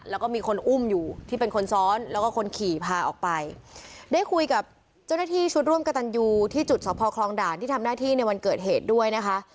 แล้วก็มีคนอุ้มอยู่ที่เป็นคนซ้อนแล้วก็คนขี่พาออกไปได้คุยกับเจ้าหน้าที่ชุดร่วมกระตันยูที่จุดสอบพอคลองด่านที่ทำหน้าที่ในวันเกิดเหตุด้วยนะคะ